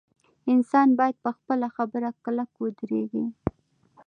انسان باید په خپله خبره کلک ودریږي.